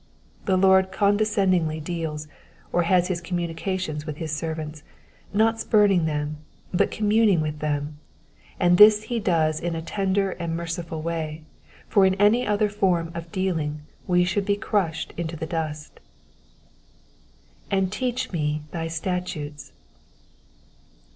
The Lord condescendingly deals, or has communications with his servants, not spurning them, but com muning with them ; and this he does in a tender and merciful way, for in any other form of dealing we should be crushed into the dust. '''•And teach me thy statutes.''''